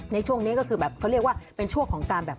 ในช่วงนี้ก็คือแบบเขาเรียกว่าเป็นช่วงของการแบบ